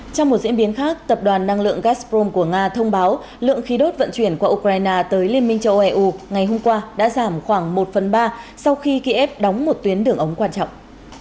trong một diễn biến khác tập đoàn năng lượng gasprom của nga thông báo lượng khí đốt vận chuyển của ukraine tới liên minh châu âu ngày hôm qua đã giảm khoảng một phần ba sau khi kiev đóng một tuyến đường ống quan trọng